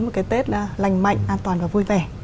một cái tết lành mạnh an toàn và vui vẻ